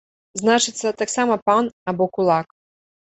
Значыцца, таксама пан або кулак.